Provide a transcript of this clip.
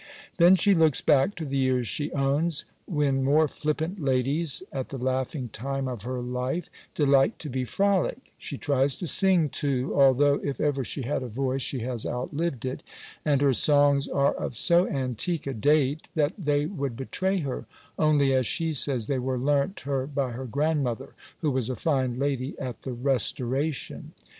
Then she looks back to the years she owns, when more flippant ladies, at the laughing time of her life, delight to be frolic: she tries to sing too, although, if ever she had a voice, she has outlived it; and her songs are of so antique a date, that they would betray her; only, as she says, they were learnt her by her grandmother, who was a fine lady at the Restoration.